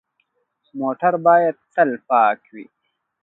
موټر باید تل پاک وي.